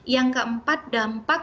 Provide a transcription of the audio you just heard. yang keempat dampak